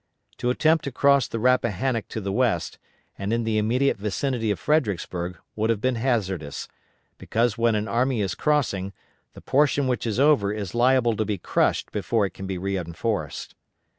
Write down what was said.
To attempt to cross the Rappahannock to the west, and in the immediate vicinity of Fredericksburg, would have been hazardous, because when an army is crossing, the portion which is over is liable to be crushed before it can be reinforced.